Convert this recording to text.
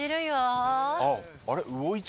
あれ？